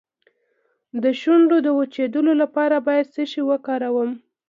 د شونډو د وچیدو لپاره باید څه شی وکاروم؟